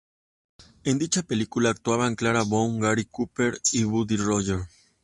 En dicha película actuaban Clara Bow, Gary Cooper, y Buddy Rogers.